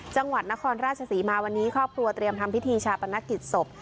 จังหวัดนครราชศรีมาวันนี้ครอบครัวเตรียมทำพิธีชาปนกิจศพ